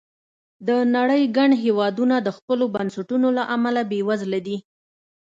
د نړۍ ګڼ هېوادونه د خپلو بنسټونو له امله بېوزله دي.